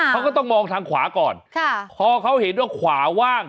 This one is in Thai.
เขาก็ต้องมองทางขวาก่อนค่ะพอเขาเห็นว่าขวาว่าง